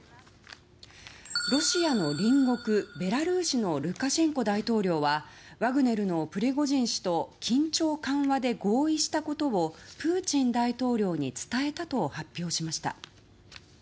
ロシアの隣国ベラルーシのルカシェンコ大統領はワグネルのプリゴジン氏と緊張緩和で合意したことをプーチン大統領に伝えたと発表しました。